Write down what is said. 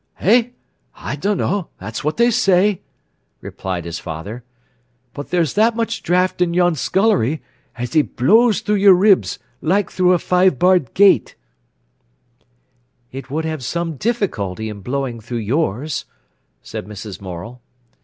"Eh, I dunno; that's what they say," replied his father. "But there's that much draught i' yon scullery, as it blows through your ribs like through a five barred gate." "It would have some difficulty in blowing through yours," said Mrs. Morel.